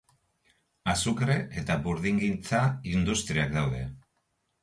Azukre eta burdingintza industriak daude.